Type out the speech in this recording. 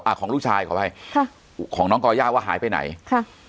ของลูกชายขออภัยค่ะของน้องก่อย่าว่าหายไปไหนค่ะ